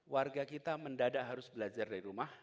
warga kita mendadak harus belajar dari rumah